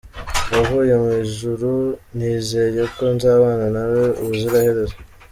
Wavuye mu ijuru, nizeye ko nzabana na we ubuziraherezo.